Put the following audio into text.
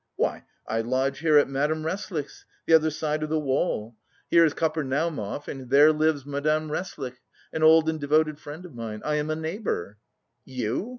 "Why, I lodge here at Madame Resslich's, the other side of the wall. Here is Kapernaumov, and there lives Madame Resslich, an old and devoted friend of mine. I am a neighbour." "You?"